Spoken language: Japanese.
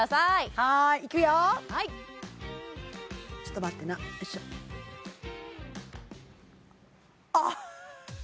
はーいいくよちょっと待ってなよいしょあっ